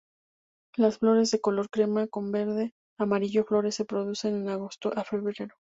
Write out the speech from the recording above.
Las flores de color crema con verde-amarillo flores se producen de agosto a febrero.